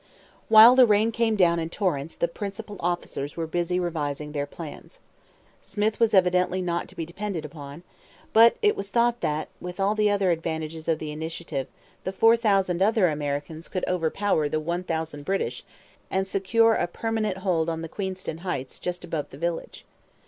While the rain came down in torrents the principal officers were busy revising their plans. Smyth was evidently not to be depended on; but it was thought that, with all the advantages of the initiative, the four thousand other Americans could overpower the one thousand British and secure a permanent hold on the Queenston Heights just above the village.